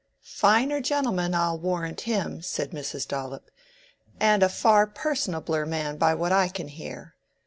"Finer gentleman! I'll warrant him," said Mrs. Dollop; "and a far personabler man, by what I can hear.